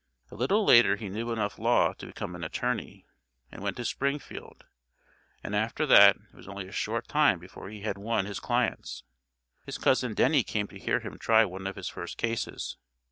A little later he knew enough law to become an attorney, and went to Springfield, and after that it was only a short time before he had won his clients. His cousin Denny came to hear him try one of his first cases.